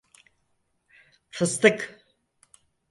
Fıstık!